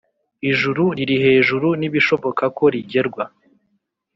Ijuru riri hejuru nibishoboka ko rigerwa